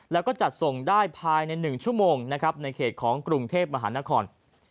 และจัดส่งได้ภายใน๑ชั่วโมงในเขตของกรุงเทพฯมหานคร